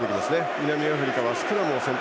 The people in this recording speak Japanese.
南アフリカはスクラムを選択。